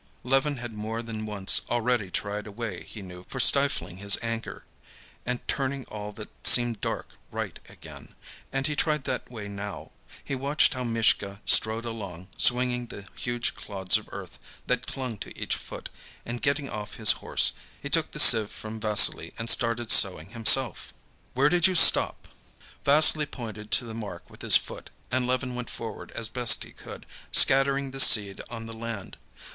Levin had more than once already tried a way he knew for stifling his anger, and turning all that seemed dark right again, and he tried that way now. He watched how Mishka strode along, swinging the huge clods of earth that clung to each foot; and getting off his horse, he took the sieve from Vassily and started sowing himself. "Where did you stop?" Vassily pointed to the mark with his foot, and Levin went forward as best he could, scattering the seed on the land.